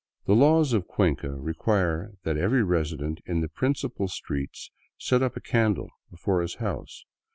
The laws of Cuenca require that every resident in the prin cipal streets set up a candle before his house.